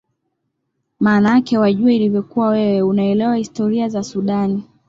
maanake wajua ilivyokuwa wewe unaelewa historia za sudan